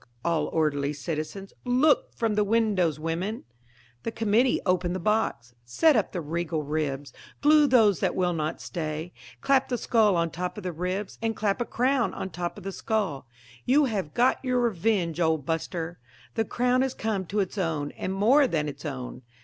all orderly citizens look from the windows, women! The committee open the box, set up the regal ribs, glue those that will not stay, Clap the skull on top of the ribs, and clap a crown on top of the skull. You have got your revenge, old buster! The crown is come to its own, and more than its own.